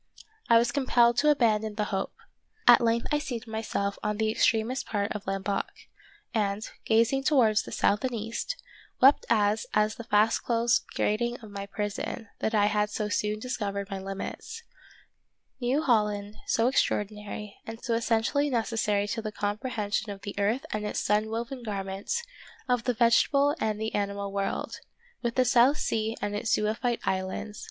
I was compelled to abandon the hope. At length I seated myself on the extremest part of Lamboc, and, gazing towards the south and east, wept as at the fast closed grating of my prison, that I had so soon discovered my limits. New Holland, so extraordinary, and so essentially necessary to the comprehension of the earth and its sun woven garment, of the vegetable and the animal world, with the South Sea and its zoophyte islands. of Peter Schlemihl.